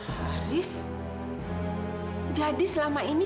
jadi selama ini kamu menyimpan kuncinya